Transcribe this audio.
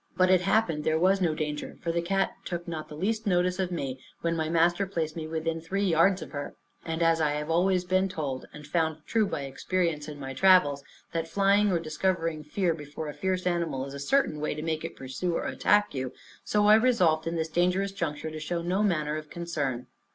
But it happened there was no danger, for the cat took not the least notice of me, when my master placed me within three yards of her. And as I have been always told, and found true by experience in my travels, that flying or discovering fear before a fierce animal is a certain way to make it pursue or attack you, so I resolved, in this dangerous juncture, to show no manner of concern.